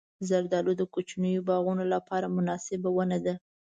زردالو د کوچنیو باغونو لپاره مناسبه ونه ده.